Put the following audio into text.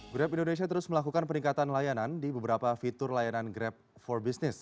grab indonesia terus melakukan peningkatan layanan di beberapa fitur layanan grab for business